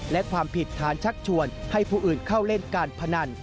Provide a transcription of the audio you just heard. และความผิดฐานชักชวนให้ผู้อื่นเข้าเล่นการพนัน